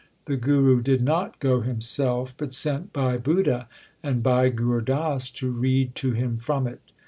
The Guru did not go himself, but sent Bhai Budha and Bhai Gur Das to read to him from it.